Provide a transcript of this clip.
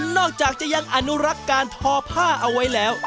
นอกจากจะยังอนุรักษ์การทอผ้าเอาไว้แล้ว